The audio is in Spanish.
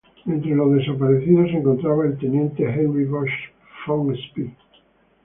Entre los desaparecidos se encontraba el teniente Heinrich von Spee.